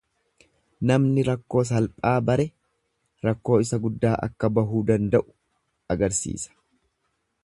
Namni rakkoo salphaa bare rakkoo isa guddaa akka bahuu danda'u agarsiisa.